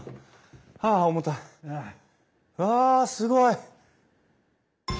わあすごい！